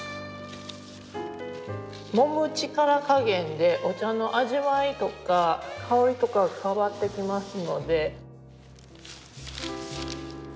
もむ力加減でお茶の味わいとか香りとかが変わってきますので。